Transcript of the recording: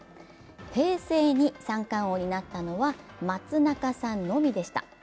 平成に三冠王になったのは松中さんのみでした。